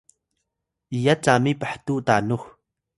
iyat cami phtuw tanux